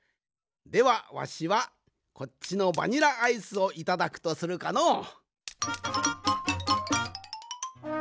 ではわしはこっちのバニラアイスをいただくとするかのう。